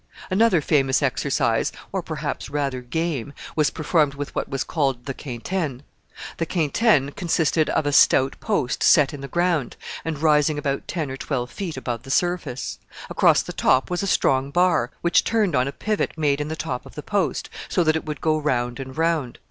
Another famous exercise, or perhaps rather game, was performed with what was called the quintaine. The quintaine consisted of a stout post set in the ground, and rising about ten or twelve feet above the surface. Across the top was a strong bar, which turned on a pivot made in the top of the post, so that it would go round and round.